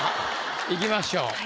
いきましょう。